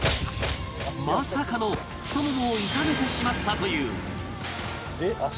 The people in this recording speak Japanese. まさかの太ももを痛めてしまったという